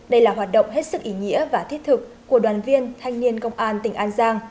đây là hoạt động hết sức ý nghĩa và thiết thực của đoàn viên thanh niên công an tỉnh an giang